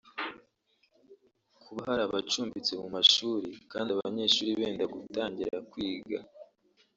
Kuba hari abacumbitse mu mashuri kandi abanyeshuri benda gutangira kwiga